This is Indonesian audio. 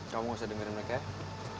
kamu gak usah dengerin mereka